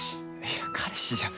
いや彼氏じゃ。